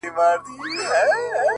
ښځه منوره وه